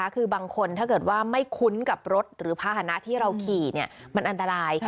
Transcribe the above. คือบางคนถ้าเกิดว่าไม่คุ้นกับรถหรือภาษณะที่เราขี่มันอันตราย